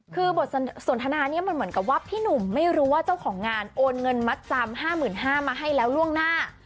คือบทสนทนานี้มันเหมือนกับว่าพี่หนุ่มไม่รู้ว่าเจ้าของงานโอนเงินมัดจำ๕๕๐๐มาให้แล้วล่วงหน้า